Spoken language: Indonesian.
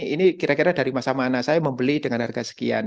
ini kira kira dari masa mana saya membeli dengan harga sekian